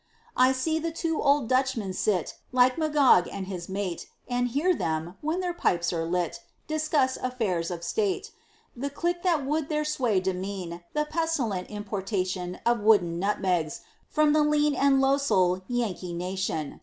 I see the two old Dutchmen sit Like Magog and his mate, And hear them, when their pipes are lit, Discuss affairs of state: The clique that would their sway demean; The pestilent importation Of wooden nutmegs, from the lean And losel Yankee nation.